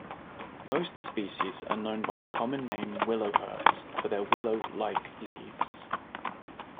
Most species are known by the common name willowherbs for their willow-like leaves.